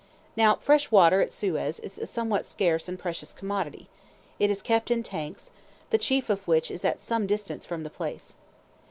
Now fresh water at Suez is a somewhat scarce and precious commodity: it is kept in tanks, the chief of which is at some distance from the place.